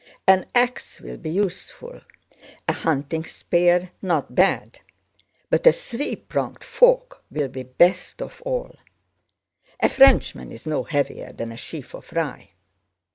An ax will be useful, a hunting spear not bad, but a three pronged fork will be best of all: a Frenchman is no heavier than a sheaf of rye.